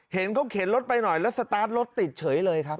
เห็นเขาเข็นรถไปหน่อยแล้วสตาร์ทรถติดเฉยเลยครับ